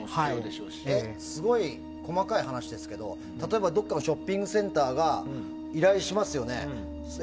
すごい細かい話ですけど例えば、どこかのショッピングセンターが依頼しますよね。